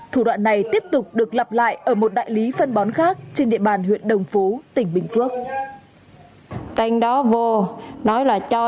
thủ đoạn này tiếp tục được lặp lại ở một đại lý phân bón khác trên địa bàn huyện đồng phú tỉnh bình phước